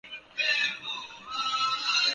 ایک بات اور درکار ہے۔